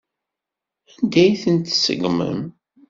Anda ay tent-tṣeggmem?